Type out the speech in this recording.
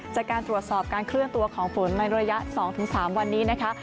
จากการตรวจสอบการเคลื่อนตัวของฝนในระยะ๒๓วันนี้นะคะ